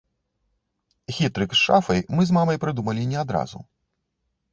Хітрык з шафай мы з мамай прыдумалі не адразу.